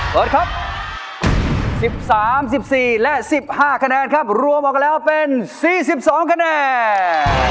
เปิดครับ๑๓๑๔และ๑๕คะแนนครับรวมออกแล้วเป็น๔๒คะแนน